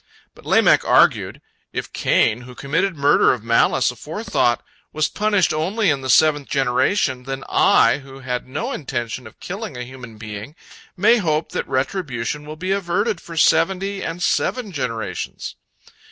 But Lamech argued, "If Cain, who committed murder of malice aforethought, was punished only in the seventh generation, then I, who had no intention of killing a human being, may hope that retribution will be averted for seventy and seven generations."